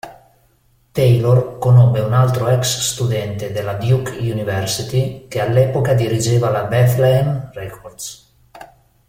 Taylor conobbe un altro ex-studente della Duke University che all'epoca dirigeva la Bethlehem Records.